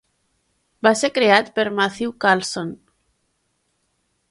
Va ser creat per Matthew Carlson.